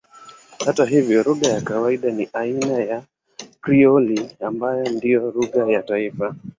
Hata hivyo lugha ya kawaida ni aina ya Krioli ambayo ndiyo lugha ya taifa.